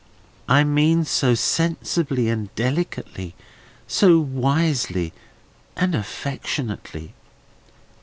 "I mean so sensibly and delicately, so wisely and affectionately."